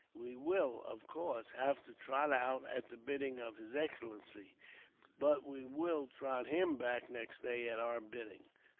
We will, of course, have to 'trot' out at the bidding of his Excellency, but we will trot him back next day at our bidding."